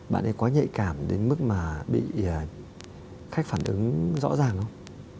bạn ấy quá nhạy cảm đến mức mà bị khách phản ứng rõ ràng không